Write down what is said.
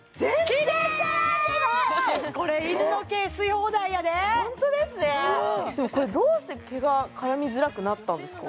きれいこれ犬の毛吸い放題やでホントですねでもこれどうして毛が絡みづらくなったんですか？